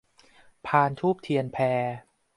พานธูปเทียนแพ